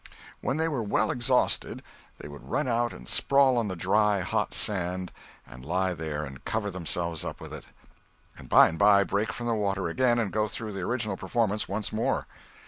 When they were well exhausted, they would run out and sprawl on the dry, hot sand, and lie there and cover themselves up with it, and by and by break for the water again and go through the original performance once more.